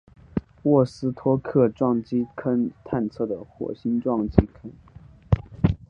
沃斯托克撞击坑探测的火星撞击坑。